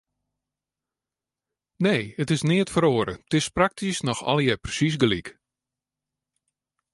Nee, it is neat feroare, it is praktysk noch allegear persiis gelyk.